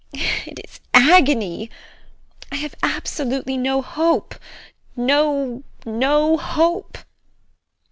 It is agony. I have absolutely no hope, no, no hope.